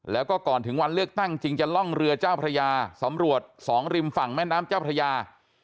แล้วก็ก่อนถึงวันเลือกตั้งจริงจะล่องเรือเจ้าพระยาสำรวจสองริมฝั่งแม่น้ำเจ้าพระยา